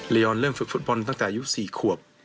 ยอนเริ่มฝึกฟุตบอลตั้งแต่อายุ๔ขวบ